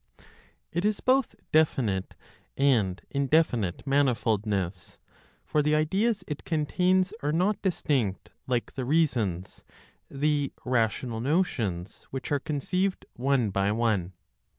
It is both definite and indefinite manifoldness, for the ideas it contains are not distinct like the reasons (the rational notions), which are conceived one by one.